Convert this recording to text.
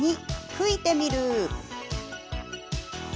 吹いてみる。